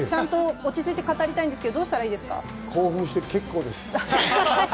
落ち着いて語りたいんですが、興奮して結構です。